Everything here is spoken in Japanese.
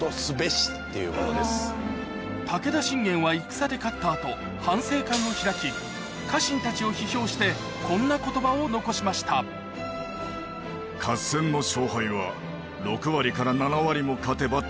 武田信玄は戦で勝った後反省会を開き家臣たちを批評してこんな言葉を残しました言葉だと思います。